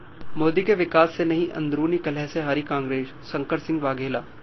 मोदी के विकास से नहीं, अंदरूनी कलह से हारी कांग्रेस: शंकर सिंह वाघेला